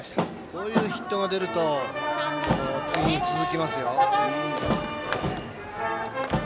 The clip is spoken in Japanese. こういうヒットが出ると次に続きますよ。